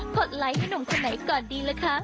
ดไลค์ให้หนุ่มคนไหนก่อนดีล่ะคะ